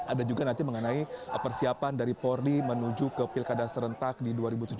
ada juga nanti mengenai persiapan dari polri menuju ke pilkada serentak di dua ribu tujuh belas